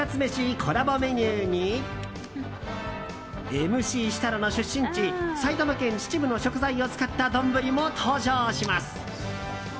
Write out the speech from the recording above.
コラボメニューにＭＣ設楽の出身地埼玉県秩父の食材を使った丼も登場します！